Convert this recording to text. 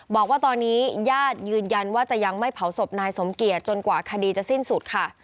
บอกว่าตอนนี้ญาติยืนยันว่าจะยังไม่เผาศพนายสมเกียจจนกว่าคดีจะสิ้นสุดค่ะ